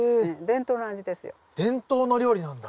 伝統の料理なんだ。